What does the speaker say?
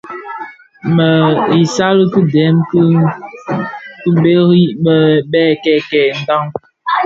Më isal ki dèm dhi kibëri bè kèkèè ndhaň.